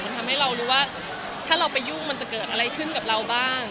มันทำให้เรารู้ว่าถ้าเราไปยุ่งมันจะเกิดอะไรขึ้นกับเราบ้าง